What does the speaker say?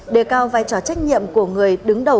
đề cao vai trò trách nhiệm của người đứng đầu